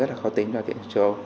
rất là khó tính cho việt nam châu âu